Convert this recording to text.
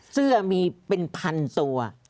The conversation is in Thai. เสื้อมีเป็นพันตัว